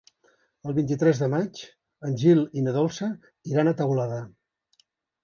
El vint-i-tres de maig en Gil i na Dolça iran a Teulada.